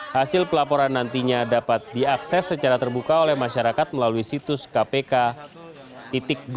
hasil pelaporan nantinya dapat diakses secara terbuka oleh masyarakat melalui situs kpk dua